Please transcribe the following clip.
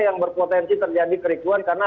yang berpotensi terjadi kericuan karena